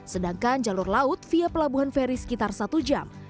sedangkan jalur laut via pelabuhan feri sekitar satu jam